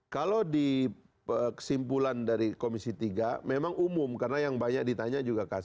kalau di kesimpulan dari komisi tiga memang umum karena yang banyak ditanya juga